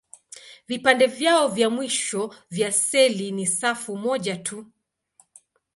Vipande vyao vya mwisho vya seli ni safu moja tu.